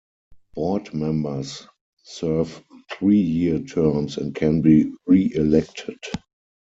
Board members serve three-year terms and can be reelected.